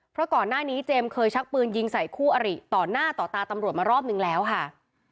เพราะก่อนหน้านี้เจมส์เคยชักปืนยิงใส่คู่อริต่อหน้าต่อตาตำรวจมารอบนึงแล้วค่ะ